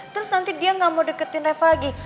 terus nanti dia nggak mau deketin reva lagi